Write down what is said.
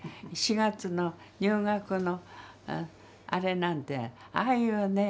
４月の入学のあれなんてああいうね